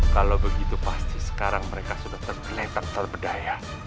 kalau begitu pasti sekarang mereka sudah tergeletak terberdaya